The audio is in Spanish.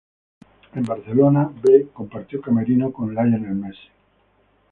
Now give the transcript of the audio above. En Barcelona B, compartió camerino con Lionel Messi.